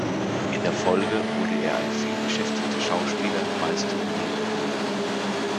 In der Folge wurde er ein vielbeschäftigter Schauspieler, meist in Nebenrollen.